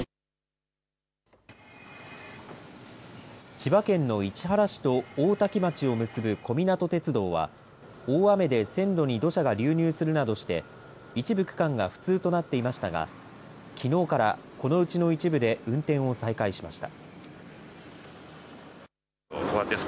千葉県の市原市と大多喜町を結ぶ小湊鐵道は大雨で線路に土砂が流入するなどして一部区間が不通となっていましたがきのうから、このうちの一部で運転を再開しました。